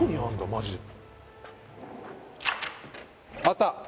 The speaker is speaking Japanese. マジであった？